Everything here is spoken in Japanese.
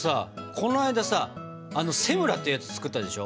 この間さセムラってやつ作ったでしょ。